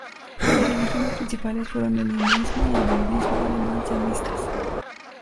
Las religiones principales fueron el hinduismo y el budismo, además de animistas.